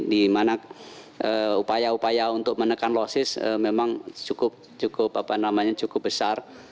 di mana upaya upaya untuk menekan losis memang cukup besar